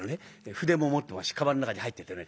筆も持ってますしかばんの中に入っててね。